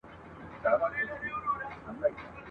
چي پانوس به په رنګین وو هغه شمع دریادیږي؟ ..